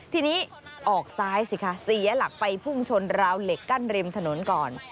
ทีนี้ออกซ้ายสิคะเสียหลักไปพุ่งชนราวเหล็กกั้นริมถนนก่อน